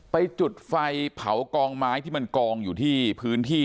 จุดไฟเผากองไม้ที่มันกองอยู่ที่พื้นที่